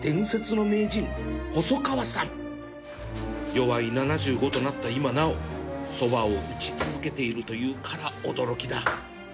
よわい７５となった今なおそばを打ち続けているというから驚きだ